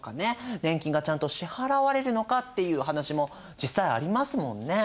年金がちゃんと支払われるのかっていう話も実際ありますもんね。